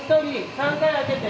３階開けて。